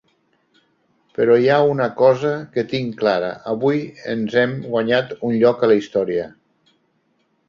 Però hi ha una cosa que tinc clara: avui ens hem guanyat un lloc a la història.